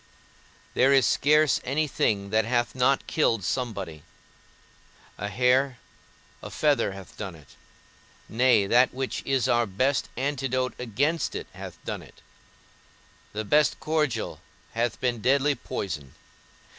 There is scarce any thing that hath not killed somebody; a hair, a feather hath done it; nay, that which is our best antidote against it hath done it; the best cordial hath been deadly poison.